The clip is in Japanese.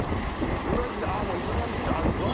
うなぎああもういただいてあっ何？